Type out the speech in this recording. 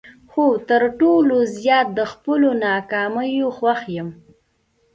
خو تر ټولو زیات د خپلو ناکامیو خوښ یم.